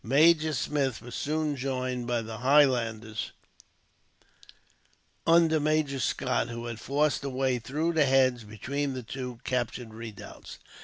Major Smith was soon joined by the Highlanders, under Major Scott, who had forced a way through the hedge between the two captured redoubts.